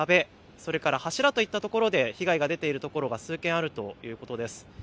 それから柱といったところで被害が出ているところが数軒あるということです。